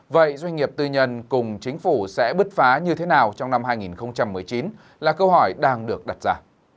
vậy doanh nghiệp tư nhân cùng chính phủ sẽ bứt phá như thế nào trong năm hai nghìn một mươi chín là câu hỏi đang được đặt ra